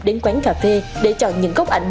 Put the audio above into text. đến quán cà phê để chọn những góc ảnh